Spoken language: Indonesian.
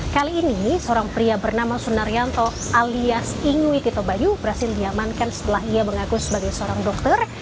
kali ini seorang pria bernama sunaryanto alias ingui tito bayu berhasil diamankan setelah ia mengaku sebagai seorang dokter